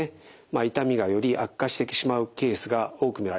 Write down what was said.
痛みがより悪化してしまうケースが多く見られます。